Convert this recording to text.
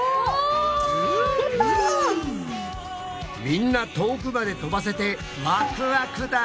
みんな遠くまで飛ばせてワクワクだ！